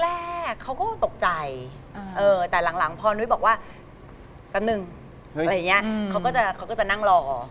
แรกเขาก็ตกใจแต่หลังพอนุ้ยบอกว่าสักนึงเขาก็จะนั่งรอ